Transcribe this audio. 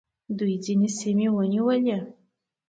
دوی ځینې سیمې ونیولې